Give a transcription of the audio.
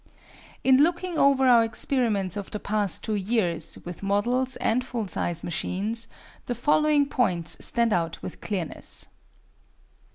In looking over our experiments of the past two years, with models and full size machines, the following points stand out with clearness: 1.